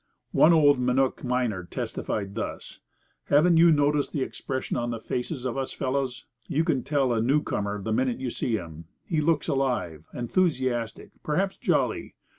One old Minook miner testified thus: "Haven't you noticed the expression on the faces of us fellows? You can tell a new comer the minute you see him; he looks alive, enthusiastic, perhaps jolly.